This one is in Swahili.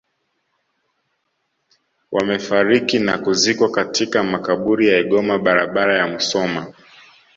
Wamefariki na kuzikwa katika makaburi ya Igoma barabara ya Musoma